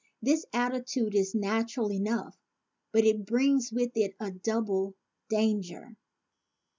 This attitude is natural enough, but it brings with it a double danger.